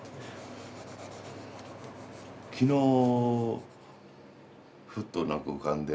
昨日ふっと何か浮かんで。